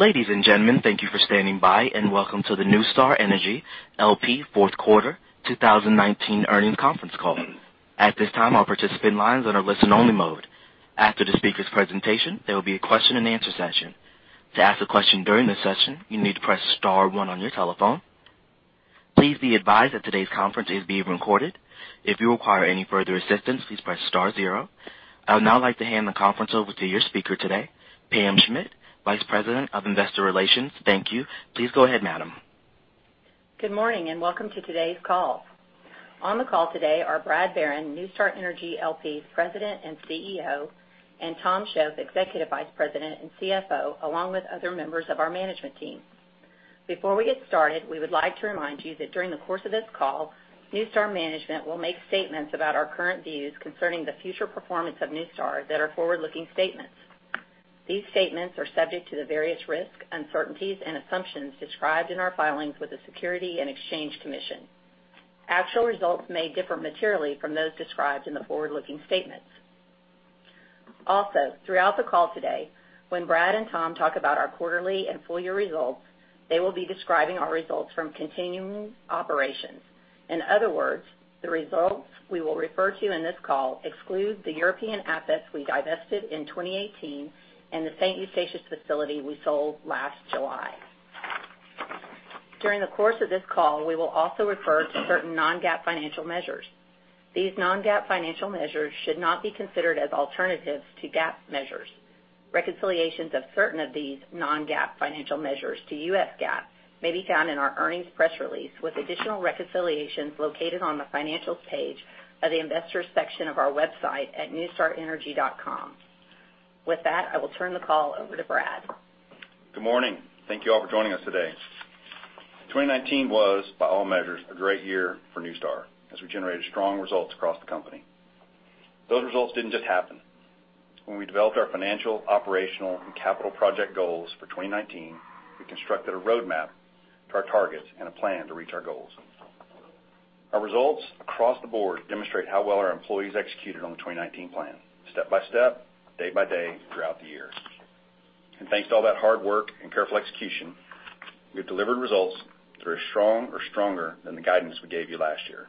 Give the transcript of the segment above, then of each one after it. Ladies and gentlemen, thank you for standing by, and welcome to the NuStar Energy L.P. Q4 2019 Earnings Conference Call. At this time, all participant lines are in a listen-only mode. After the speakers' presentation, there will be a question and answer session. To ask a question during this session, you need to press star one on your telephone. Please be advised that today's conference is being recorded. If you require any further assistance, please press star zero. I would now like to hand the conference over to your speaker today, Pam Schmidt, Vice President of Investor Relations. Thank you. Please go ahead, Madame. Good morning, welcome to today's call. On the call today are Bradley Barron, NuStar Energy L.P.'s President and CEO; and Tom Shoaf, Executive Vice President and CFO, along with other members of our management team. Before we get started, we would like to remind you that during the course of this call, NuStar management will make statements about our current views concerning the future performance of NuStar that are forward-looking statements. These statements are subject to the various risks, uncertainties, and assumptions described in our filings with the Securities and Exchange Commission. Actual results may differ materially from those described in the forward-looking statements. Throughout the call today, when Brad and Tom talk about our quarterly and full year results, they will be describing our results from continuing operations. In other words, the results we will refer to in this call exclude the European assets we divested in 2018 and the St. Eustatius facility we sold last July. During the course of this call, we will also refer to certain non-GAAP financial measures. These non-GAAP financial measures should not be considered as alternatives to GAAP measures. Reconciliations of certain of these non-GAAP financial measures to U.S. GAAP may be found in our earnings press release, with additional reconciliations located on the Financial page of the Investors section of our website at nustarenergy.com. With that, I will turn the call over to Brad. Good morning. Thank you all for joining us today. 2019 was, by all measures, a great year for NuStar as we generated strong results across the company. Those results didn't just happen. When we developed our financial, operational, and capital project goals for 2019, we constructed a roadmap to our targets and a plan to reach our goals. Our results across the board demonstrate how well our employees executed on the 2019 plan, step by step, day by day, throughout the year. Thanks to all that hard work and careful execution, we have delivered results that are as strong or stronger than the guidance we gave you last year.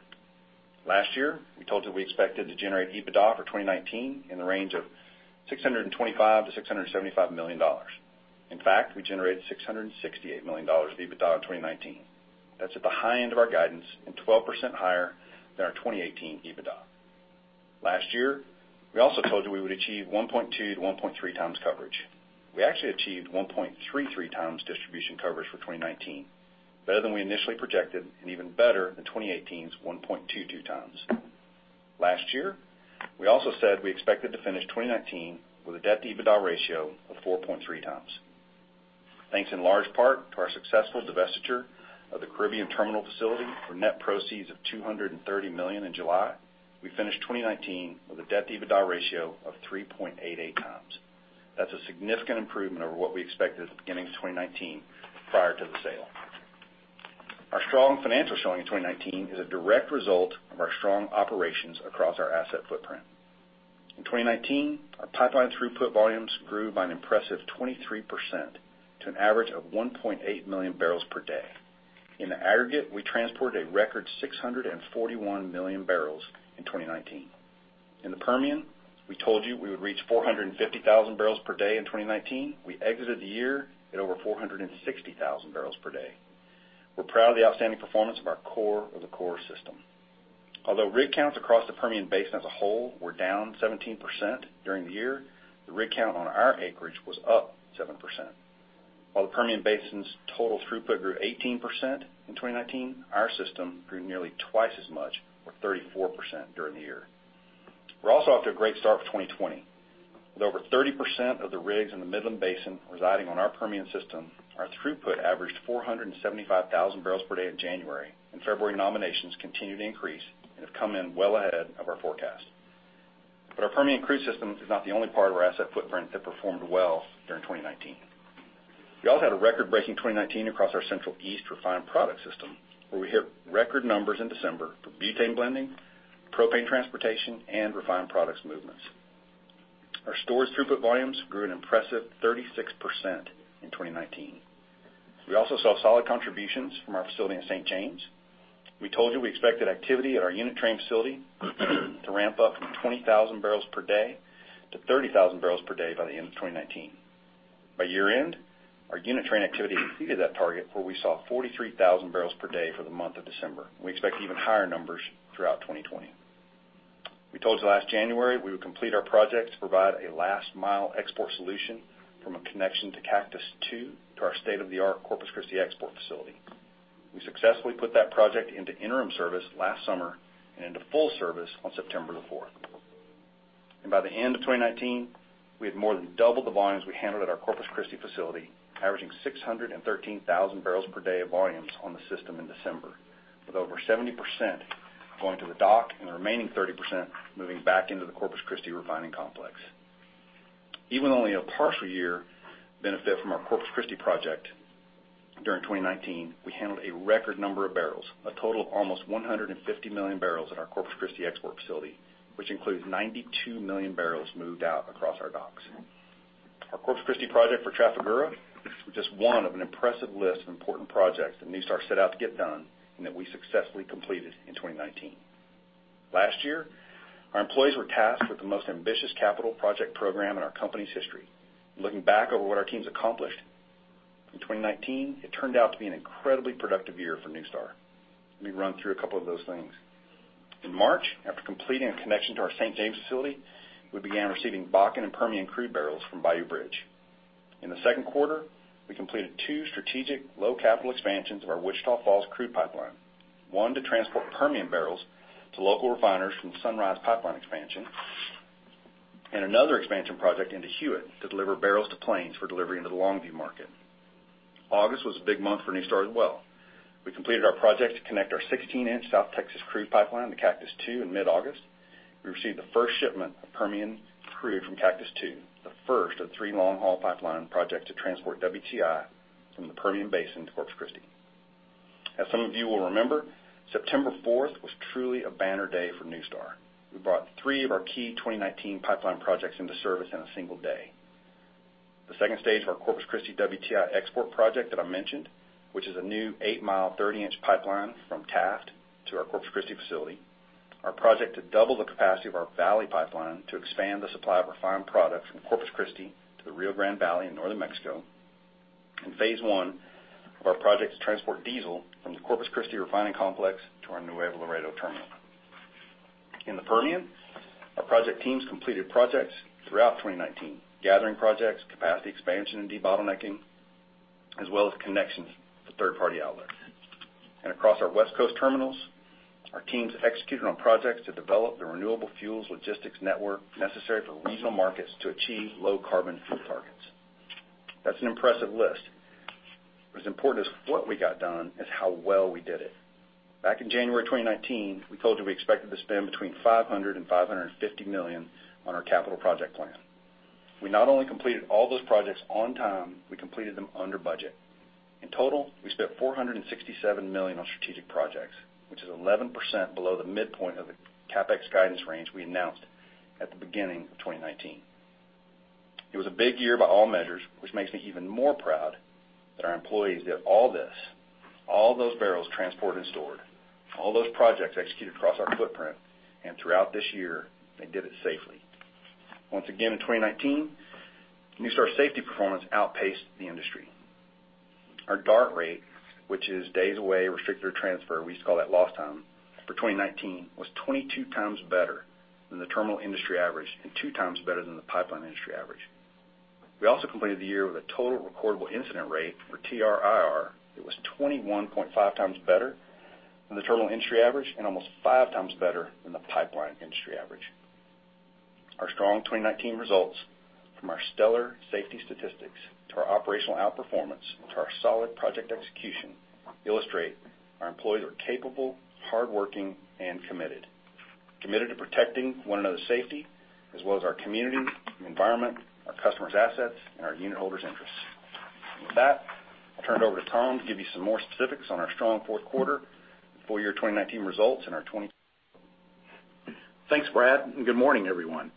Last year, we told you we expected to generate EBITDA for 2019 in the range of $625 million-$675 million. In fact, we generated $668 million of EBITDA in 2019. That's at the high end of our guidance and 12% higher than our 2018 EBITDA. Last year, we also told you we would achieve 1.2-1.3x coverage. We actually achieved 1.33x distribution coverage for 2019, better than we initially projected, and even better than 2018's 1.22 x. Last year, we also said we expected to finish 2019 with a debt-to-EBITDA ratio of 4.3 x. Thanks in large part to our successful divestiture of the Caribbean terminal facility for net proceeds of $230 million in July, we finished 2019 with a debt-to-EBITDA ratio of 3.88 x. That's a significant improvement over what we expected at the beginning of 2019, prior to the sale. Our strong financial showing in 2019 is a direct result of our strong operations across our asset footprint. In 2019, our pipeline throughput volumes grew by an impressive 23% to an average of 1.8 million barrels per day. In the aggregate, we transported a record 641 million barrels in 2019. In the Permian, we told you we would reach 450,000 barrels per day in 2019. We exited the year at over 460,000 barrels per day. We're proud of the outstanding performance of our core of the core system. Although rig counts across the Permian Basin as a whole were down 17% during the year, the rig count on our acreage was up 7%. While the Permian Basin's total throughput grew 18% in 2019, our system grew nearly twice as much, or 34%, during the year. We're also off to a great start for 2020. With over 30% of the rigs in the Midland Basin residing on our Permian System, our throughput averaged 475,000 barrels per day in January. February nominations continue to increase and have come in well ahead of our forecast. Our Permian Crude System is not the only part of our asset footprint that performed well during 2019. We also had a record-breaking 2019 across our Central East refined product system, where we hit record numbers in December for butane blending, propane transportation, and refined products movements. Our storage throughput volumes grew an impressive 36% in 2019. We also saw solid contributions from our facility in St. James. We told you we expected activity at our unit train facility to ramp up from 20,000 barrels per day to 30,000 barrels per day by the end of 2019. By year-end, our unit train activity exceeded that target, where we saw 43,000 barrels per day for the month of December. We expect even higher numbers throughout 2020. We told you last January we would complete our project to provide a last-mile export solution from a connection to Cactus II to our state-of-the-art Corpus Christi export facility. We successfully put that project into interim service last summer and into full service on September the 4th. By the end of 2019, we had more than doubled the volumes we handled at our Corpus Christi facility, averaging 613,000 barrels per day of volumes on the system in December, with over 70% going to the dock and the remaining 30% moving back into the Corpus Christi refining complex. Even with only a partial year benefit from our Corpus Christi project. During 2019, we handled a record number of barrels, a total of almost 150 million barrels at our Corpus Christi export facility, which includes 92 million barrels moved out across our docks. Our Corpus Christi project for Trafigura was just one of an impressive list of important projects that NuStar set out to get done, and that we successfully completed in 2019. Last year, our employees were tasked with the most ambitious capital project program in our company's history. Looking back over what our teams accomplished in 2019, it turned out to be an incredibly productive year for NuStar. Let me run through a couple of those things. In March, after completing a connection to our St. James facility, we began receiving Bakken and Permian crude barrels from Bayou Bridge. In the Q2, we completed two strategic low-capital expansions of our Wichita Falls crude pipeline. One to transport Permian barrels to local refiners from the Sunrise Pipeline expansion, and another expansion project into Hewitt to deliver barrels to Plains for delivery into the Longview market. August was a big month for NuStar as well. We completed our project to connect our 16-inch South Texas crude pipeline to Cactus II in mid-August. We received the first shipment of Permian crude from Cactus II, the first of three long-haul pipeline projects to transport WTI from the Permian Basin to Corpus Christi. As some of you will remember, September 4th was truly a banner day for NuStar. We brought three of our key 2019 pipeline projects into service in a single day. The stage 2 of our Corpus Christi WTI export project that I mentioned, which is a new 8-mile, 30-inch pipeline from Taft to our Corpus Christi facility. Our project to double the capacity of our Valley Pipeline to expand the supply of refined products from Corpus Christi to the Rio Grande Valley in northern Mexico. Phase 1 of our project to transport diesel from the Corpus Christi refining complex to our Nuevo Laredo terminal. In the Permian, our project teams completed projects throughout 2019. Gathering projects, capacity expansion, and debottlenecking, as well as connections to third-party outlets. Across our West Coast terminals, our teams executed on projects to develop the renewable fuels logistics network necessary for regional markets to achieve low-carbon fuel targets. That's an impressive list. As important as what we got done is how well we did it. Back in January 2019, we told you we expected to spend between $500 million and $550 million on our capital project plan. We not only completed all those projects on time, we completed them under budget. In total, we spent $467 million on strategic projects, which is 11% below the midpoint of the CapEx guidance range we announced at the beginning of 2019. It was a big year by all measures, which makes me even more proud that our employees did all this. All those barrels transported and stored, all those projects executed across our footprint, and throughout this year, they did it safely. Once again, in 2019, NuStar safety performance outpaced the industry. Our DART rate, which is Days Away, Restricted, or Transferred, we used to call that lost time, for 2019 was 22x better than the terminal industry average and two times better than the pipeline industry average. We also completed the year with a total recordable incident rate for TRIR that was 21.5x better than the terminal industry average and almost five times better than the pipeline industry average. Our strong 2019 results, from our stellar safety statistics to our operational outperformance to our solid project execution, illustrate our employees are capable, hardworking, and committed. Committed to protecting one another's safety as well as our community, the environment, our customers' assets, and our unit holders' interests. With that, I'll turn it over to Tom to give you some more specifics on our strong Q4, full-year 2019 results. Thanks, Bradley, and good morning, everyone.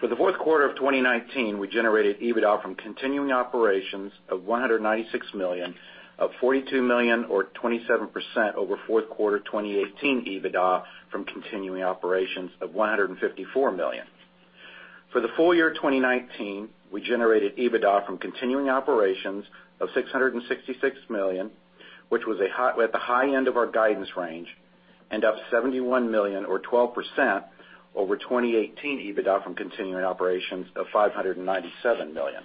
For the Q4 of 2019, we generated EBITDA from continuing operations of $196 million, up $42 million or 27% over Q4 2018 EBITDA from continuing operations of $154 million. For the full year 2019, we generated EBITDA from continuing operations of $666 million, which was at the high end of our guidance range and up $71 million or 12% over 2018 EBITDA from continuing operations of $597 million.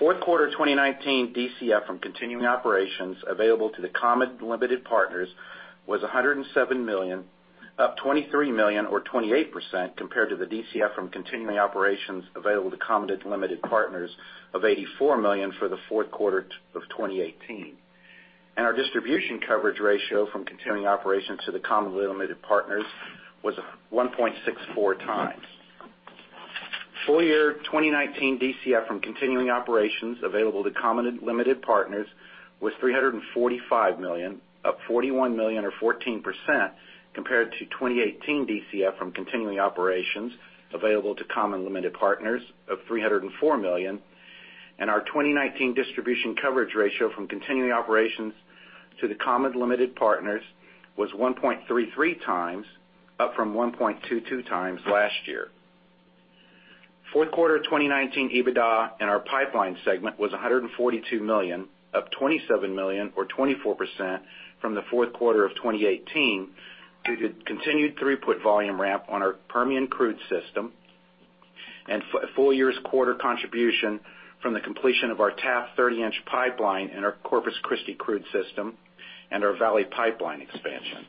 Q4 2019 DCF from continuing operations available to the common and limited partners was $107 million, up $23 million or 28% compared to the DCF from continuing operations available to common and limited partners of $84 million for the Q4 of 2018. Our distribution coverage ratio from continuing operations to the common and limited partners was 1.64 x. Full year 2019 DCF from continuing operations available to common and limited partners was $345 million, up $41 million or 14% compared to 2018 DCF from continuing operations available to common and limited partners of $304 million. Our 2019 distribution coverage ratio from continuing operations to the common and limited partners was 1.33 x, up from 1.22x last year. Q4 2019 EBITDA in our pipeline segment was $142 million, up $27 million or 24% from the Q4 of 2018, due to continued throughput volume ramp on our Permian Crude System and a full year's quarter contribution from the completion of our Taft 30-inch pipeline and our Corpus Christi crude system and our Valley Pipeline expansion.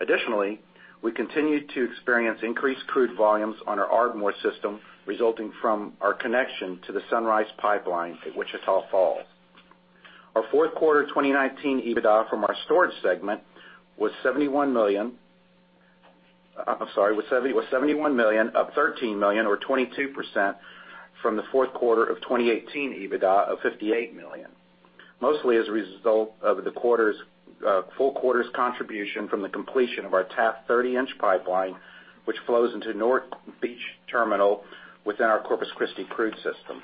Additionally, we continued to experience increased crude volumes on our Ardmore system, resulting from our connection to the Sunrise Pipeline at Wichita Falls. Our Q4 2019 EBITDA from our storage segment was $71 million, up $13 million or 22% from the Q4 of 2018 EBITDA of $58 million. Mostly as a result of the full quarter's contribution from the completion of our Taft 30-inch pipeline, which flows into North Beach Terminal within our Corpus Christi crude system.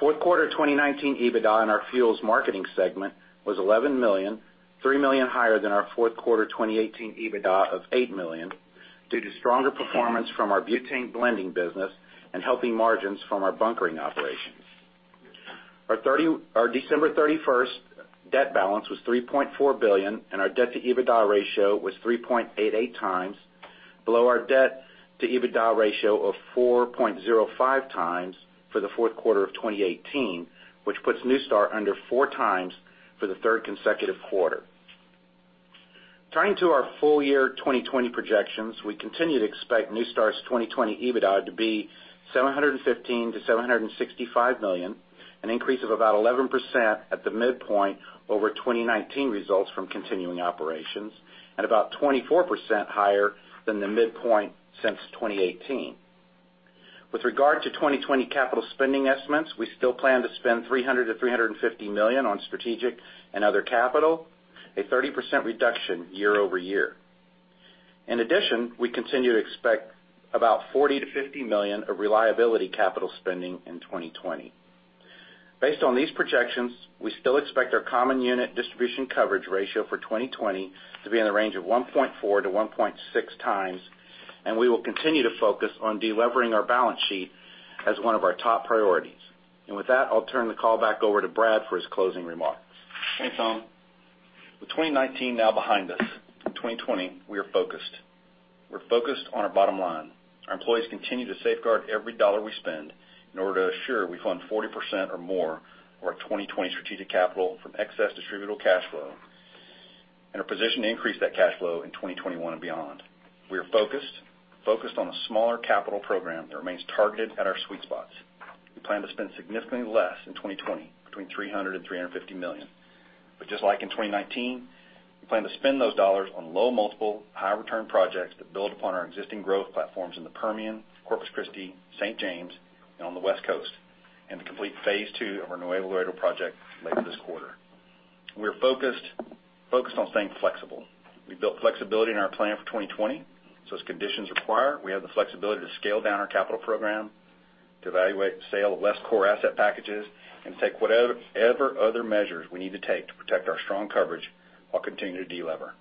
Q4 2019 EBITDA in our fuels marketing segment was $11 million, $3 million higher than our Q4 2018 EBITDA of $8 million, due to stronger performance from our butane blending business and healthy margins from our bunkering operations. Our December 31st debt balance was $3.4 billion, and our debt-to-EBITDA ratio was 3.88x below our debt to EBITDA ratio of 4.05x for the Q4 of 2018, which puts NuStar under four times for the third consecutive quarter. Turning to our full year 2020 projections, we continue to expect NuStar's 2020 EBITDA to be $715 million-$765 million, an increase of about 11% at the midpoint over 2019 results from continuing operations. About 24% higher than the midpoint since 2018. With regard to 2020 capital spending estimates, we still plan to spend $300 million-$350 million on strategic and other capital, a 30% reduction year-over-year. In addition, we continue to expect about $40 million-$50 million of reliability capital spending in 2020. Based on these projections, we still expect our common unit distribution coverage ratio for 2020 to be in the range of 1.4-1.6 x. We will continue to focus on de-levering our balance sheet as one of our top priorities. With that, I'll turn the call back over to Brad for his closing remarks. Thanks, Tom. With 2019 now behind us, in 2020, we are focused. We're focused on our bottom line. Our employees continue to safeguard every dollar we spend in order to ensure we fund 40% or more of our 2020 strategic capital from excess distributable cash flow and are positioned to increase that cash flow in 2021 and beyond. We are focused. Focused on a smaller capital program that remains targeted at our sweet spots. We plan to spend significantly less in 2020, between $300 million and $350 million. Just like in 2019, we plan to spend those dollars on low multiple, high return projects that build upon our existing growth platforms in the Permian, Corpus Christi, St. James, and on the West Coast, and to complete phase 2 of our Nuevo Laredo project later this quarter. We're focused. Focused on staying flexible. We built flexibility in our plan for 2020, so as conditions require, we have the flexibility to scale down our capital program, to evaluate the sale of less core asset packages, and take whatever other measures we need to take to protect our strong coverage while continuing to de-lever.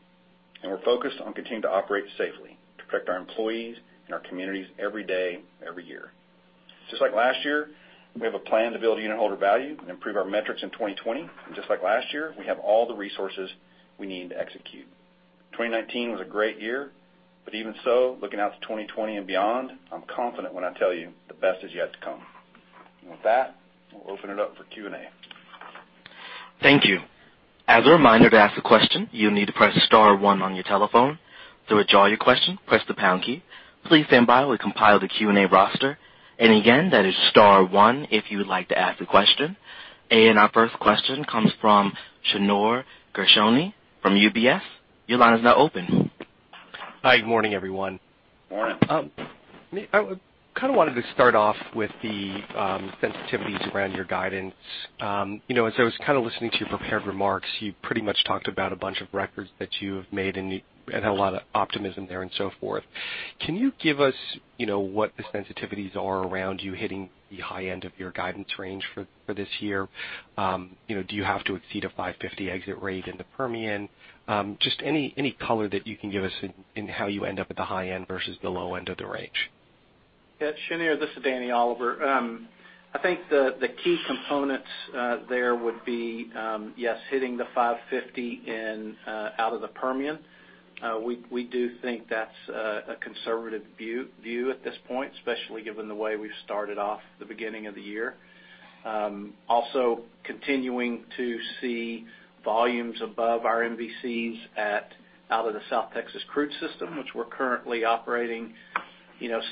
We're focused on continuing to operate safely to protect our employees and our communities every day, every year. Just like last year, we have a plan to build unitholder value and improve our metrics in 2020. Just like last year, we have all the resources we need to execute. 2019 was a great year, but even so, looking out to 2020 and beyond, I'm confident when I tell you the best is yet to come. With that, we'll open it up for Q&A. Thank you. As a reminder, to ask a question, you need to press star one on your telephone. To withdraw your question, press the pound key. Please stand by while we compile the Q&A roster. Again, that is star one if you would like to ask a question. Our first question comes from Shneur Gershuni from UBS. Your line is now open. Hi. Good morning, everyone. Good morning. I wanted to start off with the sensitivities around your guidance. As I was listening to your prepared remarks, you pretty much talked about a bunch of records that you have made and had a lot of optimism there and so forth. Can you give us what the sensitivities are around you hitting the high end of your guidance range for this year? Do you have to exceed a 550 exit rate in the Permian? Just any color that you can give us in how you end up at the high end versus the low end of the range. Shneur, this is Danny Oliver. I think the key components there would be, yes, hitting the 550 out of the Permian. We do think that's a conservative view at this point, especially given the way we've started off the beginning of the year. Continuing to see volumes above our MVCs out of the South Texas crude system, which we're currently operating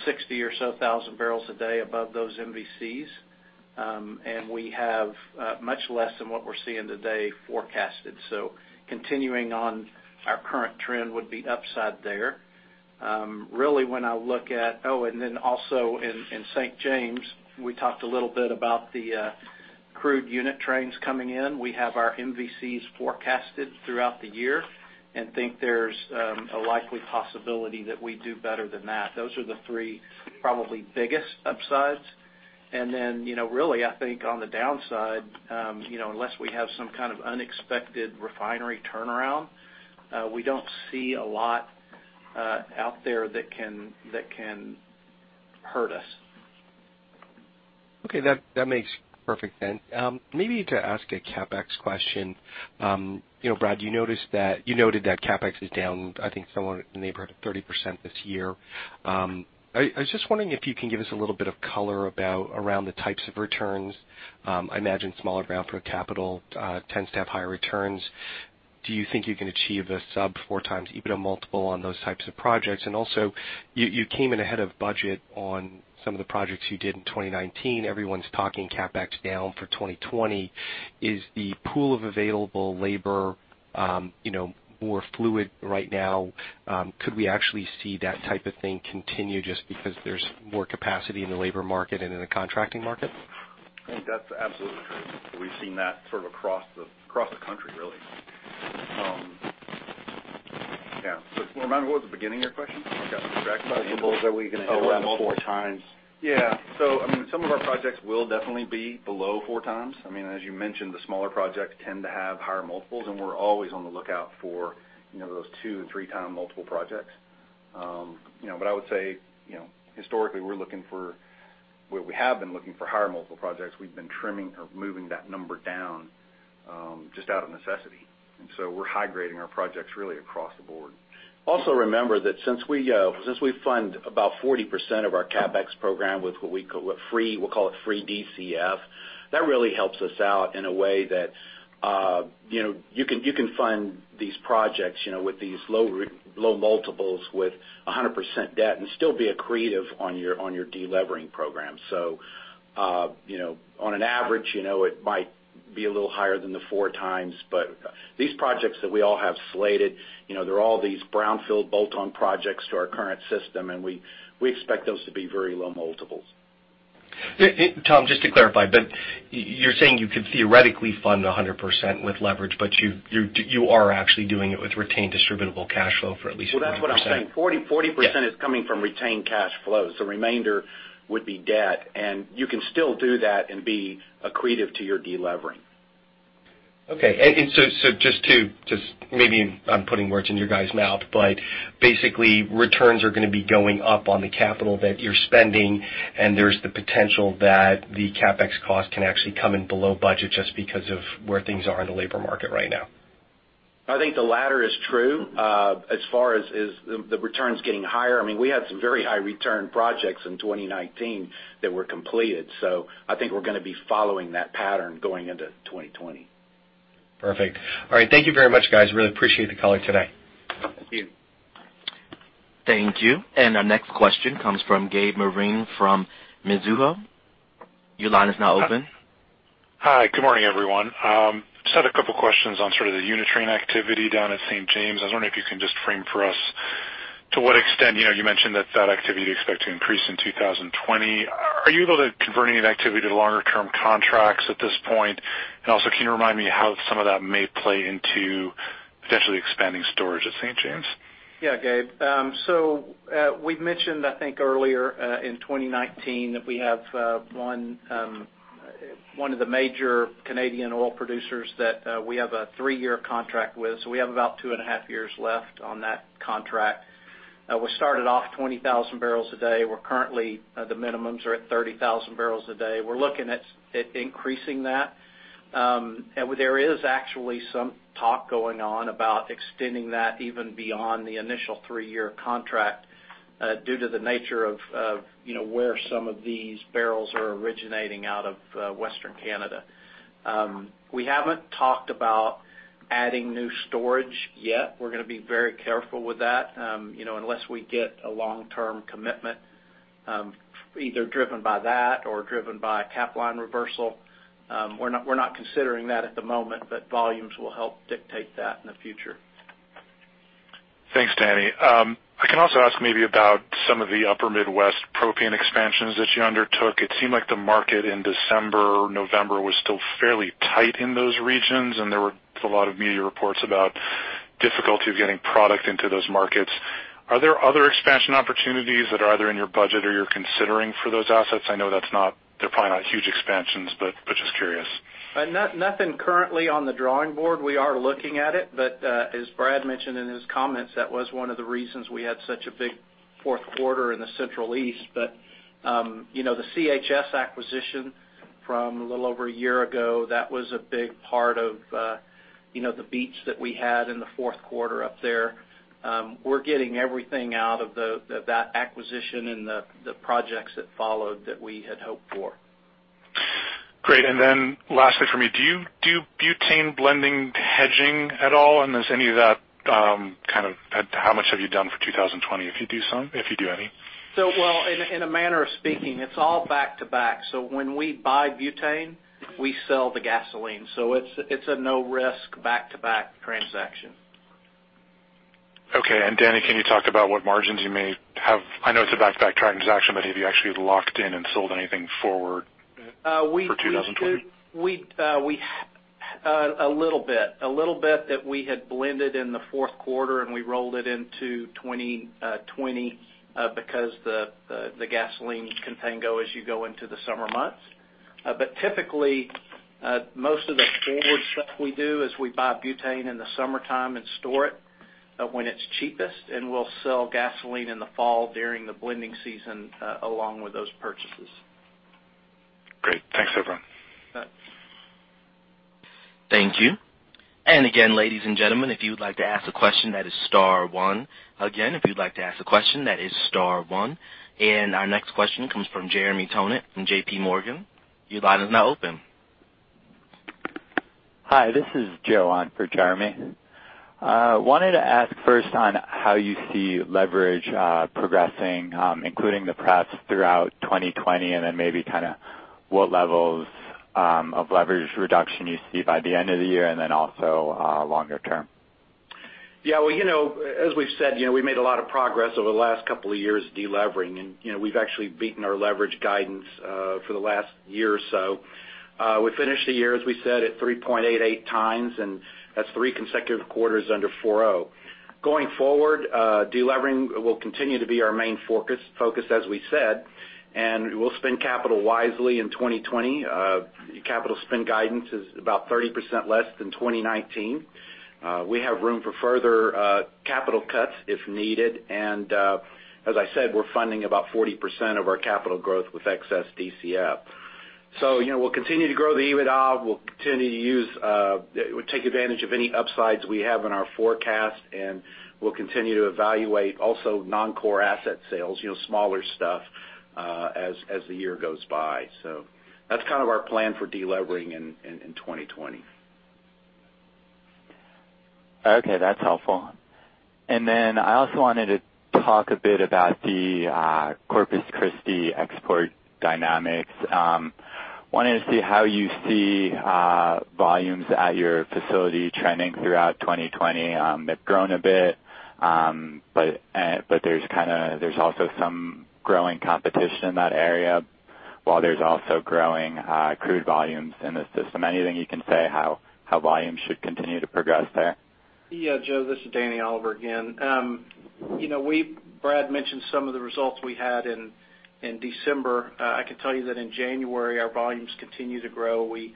60,000 barrels a day above those MVCs. We have much less than what we're seeing today forecasted. Continuing on our current trend would be upside there. Then also in St. James, we talked a little bit about the crude unit trains coming in. We have our MVCs forecasted throughout the year and think there's a likely possibility that we do better than that. Those are the three probably biggest upsides. Really, I think on the downside, unless we have some kind of unexpected refinery turnaround, we don't see a lot out there that can hurt us. Okay. That makes perfect sense. Maybe to ask a CapEx question. Brad, you noted that CapEx is down, I think somewhere in the neighborhood of 30% this year. I was just wondering if you can give us a little bit of color around the types of returns. I imagine smaller brownfield capital tends to have higher returns. Do you think you can achieve a sub four times EBITDA multiple on those types of projects? Also you came in ahead of budget on some of the projects you did in 2019. Everyone's talking CapEx down for 2020. Is the pool of available labor more fluid right now? Could we actually see that type of thing continue just because there's more capacity in the labor market and in the contracting market? I think that's absolutely true. We've seen that sort of across the country really. Yeah. Remind me, what was the beginning of your question? I got distracted by the end of it. Multiples. Are we going to hit around 4x? Yeah. Some of our projects will definitely be below four x. As you mentioned, the smaller projects tend to have higher multiples, we're always on the lookout for those two and three-time multiple projects. I would say, historically, we have been looking for higher multiple projects. We've been trimming or moving that number down, just out of necessity. We're high-grading our projects really across the board. Remember that since we fund about 40% of our CapEx program with what we call a free DCF, that really helps us out in a way that you can fund these projects with these low multiples with 100% debt and still be accretive on your de-levering program. On an average, it might be a little higher than the 4x, but these projects that we all have slated, they're all these brownfield bolt-on projects to our current system, and we expect those to be very low multiples. Tom, just to clarify, you're saying you could theoretically fund 100% with leverage, but you are actually doing it with retained distributable cash flow for at least 40%. Well, that's what I'm saying. 40% is coming from retained cash flow. The remainder would be debt. You can still do that and be accretive to your de-levering. Okay. Just to Maybe I'm putting words in your guys mouth, but basically returns are going to be going up on the capital that you're spending, and there's the potential that the CapEx cost can actually come in below budget just because of where things are in the labor market right now. I think the latter is true. As far as the returns getting higher, we had some very high return projects in 2019 that were completed. I think we're going to be following that pattern going into 2020. Perfect. All right. Thank you very much, guys. Really appreciate the call today. Thank you. Thank you. Our next question comes from Gabriel Moreen from Mizuho. Your line is now open. Hi. Good morning, everyone. Just had a couple questions on sort of the UniTrain activity down at St. James. I was wondering if you can just frame for us to what extent, you mentioned that that activity you expect to increase in 2020. Are you able to converting any activity to longer term contracts at this point? Also, can you remind me how some of that may play into potentially expanding storage at St. James? Yeah, Gabriel. We've mentioned, I think earlier, in 2019 that we have one of the major Canadian oil producers that we have a three-year contract with. We have about two and a half years left on that contract. We started off 20,000 barrels a day. We're currently, the minimums are at 30,000 barrels a day. We're looking at increasing that. There is actually some talk going on about extending that even beyond the initial three-year contract, due to the nature of where some of these barrels are originating out of Western Canada. We haven't talked about adding new storage yet. We're gonna be very careful with that. Unless we get a long-term commitment, either driven by that or driven by a Capline reversal. We're not considering that at the moment, but volumes will help dictate that in the future. Thanks, Danny. I can also ask maybe about some of the Upper Midwest propane expansions that you undertook. It seemed like the market in December, November was still fairly tight in those regions, and there were a lot of media reports about difficulty of getting product into those markets. Are there other expansion opportunities that are either in your budget or you're considering for those assets? I know they're probably not huge expansions, but just curious. Nothing currently on the drawing board. We are looking at it, as Brad mentioned in his comments, that was one of the reasons we had such a big Q4 in the Central East. The CHS acquisition from a little over a year ago, that was a big part of the beat that we had in the Q4 up there. We're getting everything out of that acquisition and the projects that followed that we had hoped for. Great. Lastly from me, do you do butane blending hedging at all? How much have you done for 2020, if you do any? Well, in a manner of speaking, it's all back-to-back. When we buy butane, we sell the gasoline. It's a no risk back-to-back transaction. Okay. Danny, can you talk about what margins you may have? I know it's a back-to-back transaction, have you actually locked in and sold anything forward for 2020? A little bit that we had blended in the Q4. We rolled it into 2020 because the gasoline contango as you go into the summer months. Typically, most of the forward stuff we do is we buy butane in the summertime and store it when it's cheapest, and we'll sell gasoline in the fall during the blending season, along with those purchases. Great. Thanks, everyone. Thank you. Again, ladies and gentlemen, if you would like to ask a question, that is star one. Again, if you'd like to ask a question, that is star one. Our next question comes from Jeremy Tonet from JPMorgan. Your line is now open. Hi, this is Joe on for Jeremy. Wanted to ask first on how you see leverage progressing including the pace throughout 2020, and then maybe what levels of leverage reduction you see by the end of the year, and then also longer term. Well, as we've said, we made a lot of progress over the last couple of years de-levering and we've actually beaten our leverage guidance for the last year or so. We finished the year, as we said, at 3.88 x, that's three consecutive quarters under 4.0. Going forward, de-levering will continue to be our main focus, as we said, we'll spend capital wisely in 2020. Capital spend guidance is about 30% less than 2019. We have room for further capital cuts if needed. As I said, we're funding about 40% of our capital growth with excess DCF. We'll continue to grow the EBITDA. We'll take advantage of any upsides we have in our forecast, we'll continue to evaluate also non-core asset sales, smaller stuff, as the year goes by. That's kind of our plan for de-levering in 2020. Okay, that's helpful. I also wanted to talk a bit about the Corpus Christi export dynamics. Wanted to see how you see volumes at your facility trending throughout 2020. They've grown a bit, but there's also some growing competition in that area while there's also growing crude volumes in the system. Anything you can say how volumes should continue to progress there? Yeah, Joe, this is Danny Oliver again. Brad mentioned some of the results we had in December. I can tell you that in January, our volumes continued to grow. We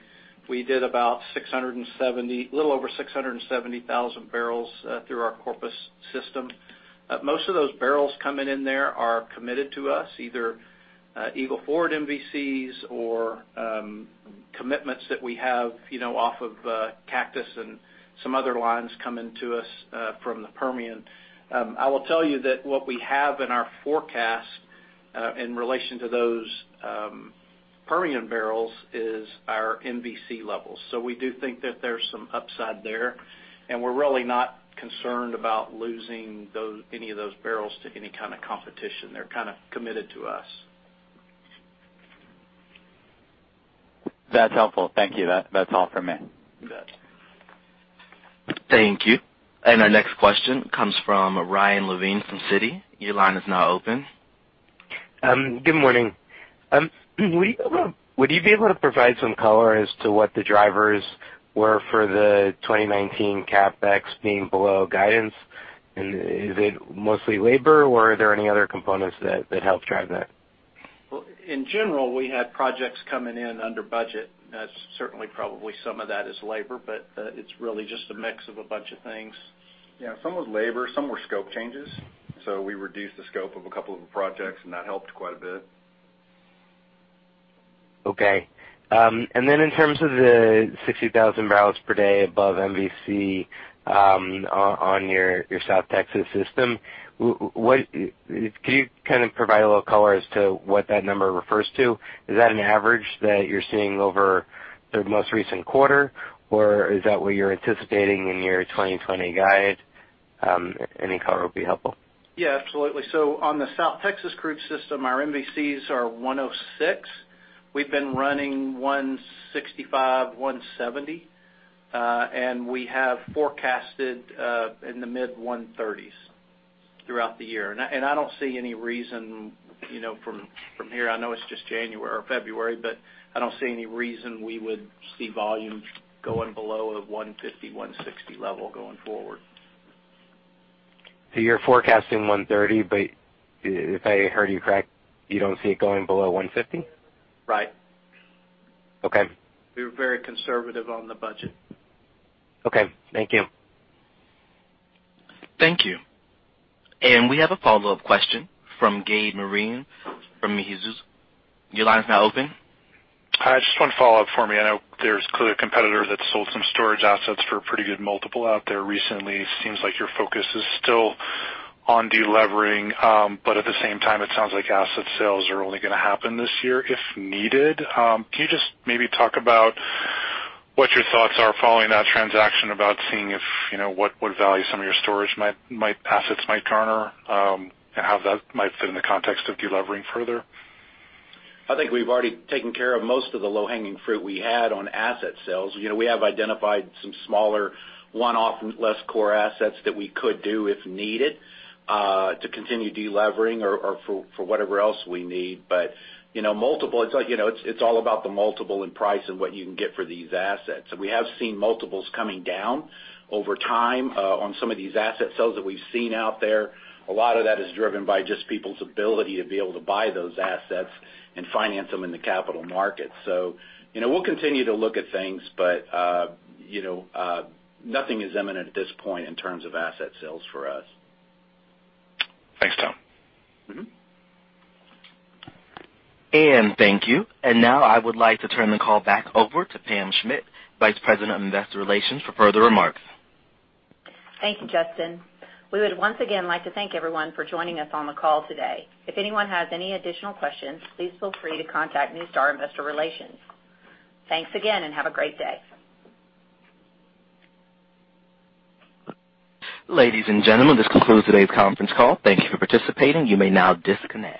did a little over 670,000 barrels through our Corpus system. Most of those barrels coming in there are committed to us, either Eagle Ford MVCs or commitments that we have off of Cactus and some other lines coming to us from the Permian. I will tell you that what we have in our forecast in relation to those Permian barrels is our MVC levels. We do think that there's some upside there, and we're really not concerned about losing any of those barrels to any kind of competition. They're kind of committed to us. That's helpful. Thank you. That's all from me. Thank you. Our next question comes from Ryan Levine from Citi. Your line is now open. Good morning. Would you be able to provide some color as to what the drivers were for the 2019 CapEx being below guidance, and is it mostly labor, or are there any other components that helped drive that? Well, in general, we had projects coming in under budget. Certainly, probably some of that is labor, but it's really just a mix of a bunch of things. Yeah, some was labor, some were scope changes. We reduced the scope of a couple of projects, and that helped quite a bit. Okay. Then in terms of the 60,000 barrels per day above MVC on your South Texas system, can you kind of provide a little color as to what that number refers to? Is that an average that you're seeing over the most recent quarter, or is that what you're anticipating in your 2020 guide? Any color would be helpful. Yeah, absolutely. On the South Texas crude system, our MVCs are 106. We've been running 165, 170. We have forecasted in the mid 130s throughout the year. I don't see any reason from here, I know it's just February, but I don't see any reason we would see volume going below a 150, 160 level going forward. You're forecasting 130, but if I heard you correct, you don't see it going below 150? Right. Okay. We were very conservative on the budget. Okay. Thank you. Thank you. We have a follow-up question from Gabriel Moreen from Mizuho. Your line is now open. Hi, just one follow-up for me. I know there's clear competitor that sold some storage assets for a pretty good multiple out there recently. Seems like your focus is still on de-levering. At the same time, it sounds like asset sales are only going to happen this year if needed. Can you just maybe talk about what your thoughts are following that transaction about seeing what value some of your storage assets might garner, and how that might fit in the context of de-levering further? I think we've already taken care of most of the low-hanging fruit we had on asset sales. We have identified some smaller one-off less core assets that we could do if needed to continue de-levering or for whatever else we need. It's all about the multiple and price and what you can get for these assets. We have seen multiples coming down over time on some of these asset sales that we've seen out there. A lot of that is driven by just people's ability to be able to buy those assets and finance them in the capital markets. We'll continue to look at things, but nothing is imminent at this point in terms of asset sales for us. Thanks, Tom. Thank you. Now I would like to turn the call back over to Pam Schmidt, Vice President of Investor Relations, for further remarks. Thank you, Justin. We would once again like to thank everyone for joining us on the call today. If anyone has any additional questions, please feel free to contact NuStar Investor Relations. Thanks again, and have a great day. Ladies and gentlemen, this concludes today's conference call. Thank you for participating. You may now disconnect.